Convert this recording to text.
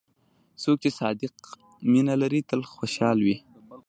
څوک چې صادق مینه لري، تل خوشحال وي.